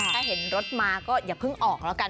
ถ้าเห็นรถมาก็อย่าเพิ่งออกแล้วกัน